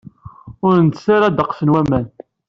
Ur ntess ara ddeqs n waman.